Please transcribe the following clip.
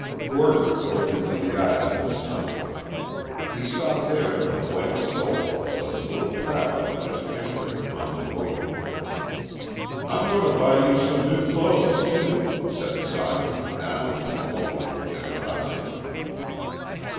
Gordon looked into the eyes of his son. He saw there the white soul of the little traveller just entering upon the world. "I'm going to buy you some new clothes, too," said Socky, now overflowing with generosity.